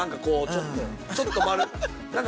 ちょっと丸何か。